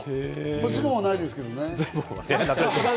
もうズボンはないですけどね。